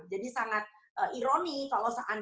jadi sangat ironi kalau seandainya